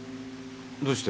どうして？